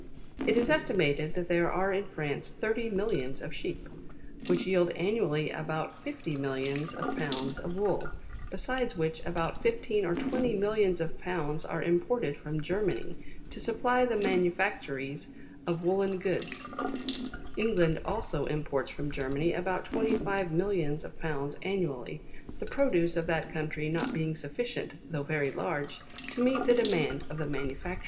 7. It is estimated that there are in France thirty millions of sheep, which yield annually about fifty millions of pounds of wocl, besides which about fifteen or twenty millions of pounds are imported from Germany, to supply the manufactories of woollen goods. England also imports from Germany about twenty^ five millions of pounds annually, the produce of that country not being sufficient, though very large, to meet the de mand of the manufacturers. 4. What is the Mouflon ? 5. To what uses is the domestic Sheep applied